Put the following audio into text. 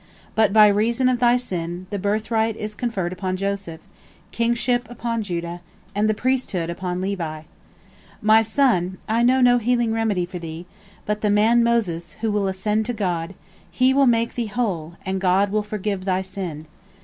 But by reason of thy sin, the birthright is conferred upon Joseph, kingship upon Judah, and the priesthood upon Levi. My son, I know no healing remedy for thee, but the man Moses, who will ascend to God, he will make thee whole, and God will forgive thy sin.